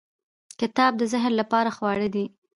• کتاب د ذهن لپاره خواړه دی.